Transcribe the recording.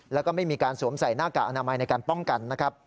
แล้วก็ไม่มีการสวมใส่หน้ากากอนามัยในการป้องกันนะครับ